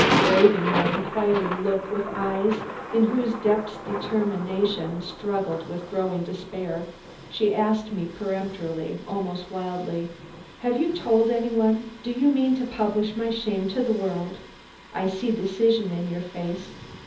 Braving my inquiring look with eyes in whose depths determination struggled with growing despair, she asked me peremptorily, almost wildly: "Have you told any one? Do you mean to publish my shame to the world? I see decision in your face.